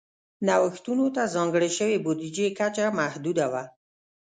نوښتونو ته ځانګړې شوې بودیجې کچه محدوده وه.